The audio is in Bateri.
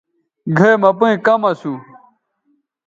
گھئے مہ پئیں کم اسُو۔